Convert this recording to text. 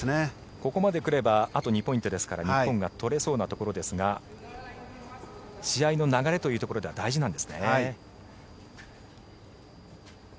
ここまで来ればあと２ポイントですから日本が取れそうなところですが試合の流れというところでは大事なんですね。